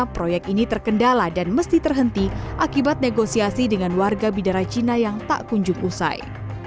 proyek ini terkendala dan mesti terhenti akibat negosiasi dengan warga bidara cina yang tak kunjung usai